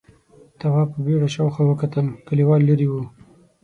تواب په بيړه شاوخوا وکتل، کليوال ليرې و: